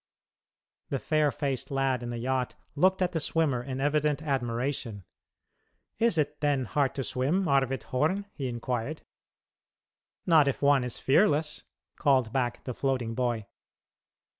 The fair faced lad in the yacht looked at the swimmer in evident admiration, "Is it, then, hard to swim, Arvid Horn?" he inquired. "Not if one is fearless," called back the floating boy.